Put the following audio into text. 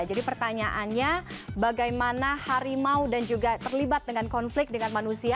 jadi pertanyaannya bagaimana harimau dan juga terlibat dengan konflik dengan manusia